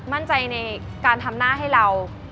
มั่นใจในการทำหน้าให้เรา